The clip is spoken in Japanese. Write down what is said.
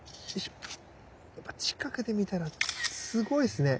やっぱ近くで見たらすごいっすね。